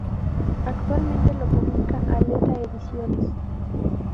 Actualmente lo publica Aleta Ediciones.